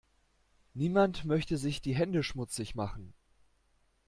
Niemand möchte sich die Hände schmutzig machen.